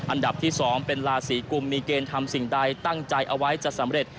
อันดับที่๒เป็นราศีกุมมีเกณฑ์ทำสิ่งใดตั้งใจเอาไว้จะสำเร็จ